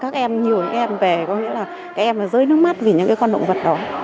các em nhờ các em về có nghĩa là các em rơi nước mắt vì những con động vật đó